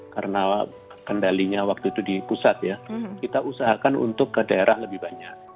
karena kendalinya waktu itu di pusat ya kita usahakan untuk ke daerah lebih banyak